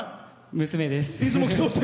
娘です。